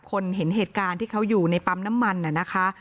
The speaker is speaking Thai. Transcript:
เห็นเหตุการณ์ที่เขาอยู่ในปั๊มน้ำมันน่ะนะคะ